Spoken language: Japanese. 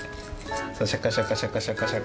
そうシャカシャカシャカシャカシャカ。